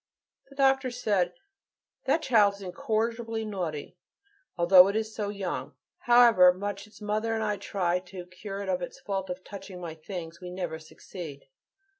The doctor said, "That child is incorrigibly naughty, although it is so young. However much its mother and I try to cure it of this fault of touching my things, we never succeed."